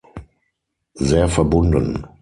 Sehr verbunden.